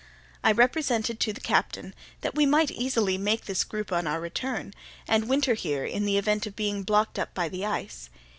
I represented to the captain that we might easily make this group on our return, and winter here in the event of being blocked up by the ice.